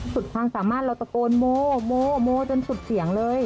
สุดความสามารถเราตะโกนโมโมโมจนสุดเสียงเลย